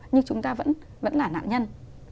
nhưng chúng ta vẫn là nạn nhân